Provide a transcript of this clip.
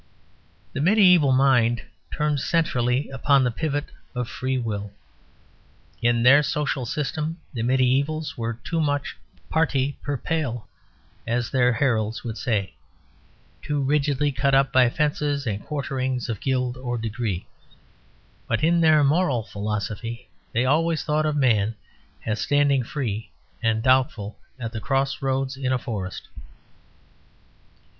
The mediæval mind turned centrally upon the pivot of Free Will. In their social system the mediævals were too much PARTI PER PALE, as their heralds would say, too rigidly cut up by fences and quarterings of guild or degree. But in their moral philosophy they always thought of man as standing free and doubtful at the cross roads in a forest.